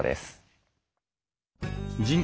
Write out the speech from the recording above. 人口